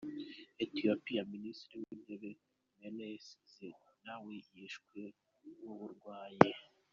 Ethiopia : Minisitiri w’Intebe Meles Zenawi yishwe n’uburwayi.